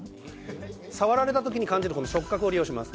触られたときに感じるこの触覚を利用します。